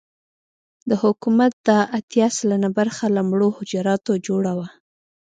د حکومت دا اتيا سلنه برخه له مړو حجراتو جوړه وه.